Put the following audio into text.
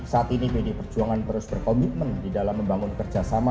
saat ini pdi perjuangan terus berkomitmen di dalam membangun kerjasama